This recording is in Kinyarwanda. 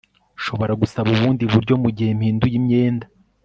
ushobora gusaba ubundi buryo mugihe mpinduye imyenda